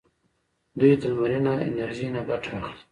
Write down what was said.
دوی د لمرینه انرژۍ نه ګټه اخلي.